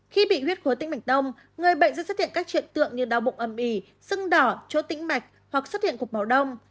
khi bị huyết khối tinh mạch nông người bệnh sẽ xuất hiện các truyện tượng như đau bụng âm ỉ sưng đỏ chố tĩnh mạch hoặc xuất hiện cục máu đông